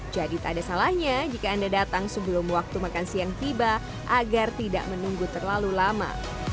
jadi tidak ada salahnya jika anda datang sebelum waktu makan siang tiba agar tidak menunggu terlalu lama